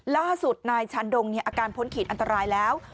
ล่าสุดนายชันดงอาการพ้นขีดอันตรายแล้ว